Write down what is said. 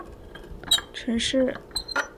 城市附近是森林。